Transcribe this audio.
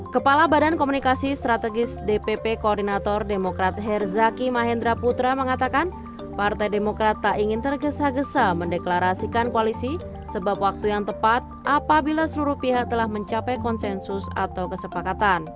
kepala badan komunikasi strategis dpp koordinator demokrat herzaki mahendra putra mengatakan partai demokrat tak ingin tergesa gesa mendeklarasikan koalisi sebab waktu yang tepat apabila seluruh pihak telah mencapai konsensus atau kesepakatan